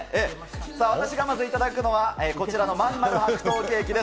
さあ、私がまず頂くのは、こちらのまんまる白桃ケーキです。